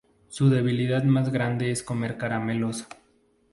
Su debilidad más grande es comer caramelos.